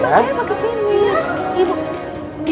kamu gak sabar kesini